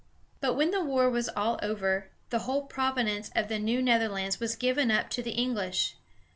But when the war was all over, the whole province of the New Netherlands was given up to the English.